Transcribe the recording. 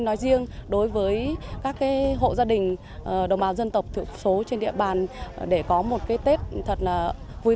nói riêng đối với các hộ gia đình đồng bào dân tộc thiểu số trên địa bàn để có một cái tết thật là vui